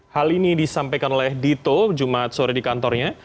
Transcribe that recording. hal ini disampaikan oleh dito jumat sore di kantornya